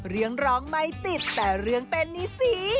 ร้องไม่ติดแต่เรื่องเต้นนี่สิ